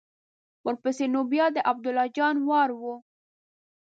ورپسې نو بیا د عبدالله جان وار و.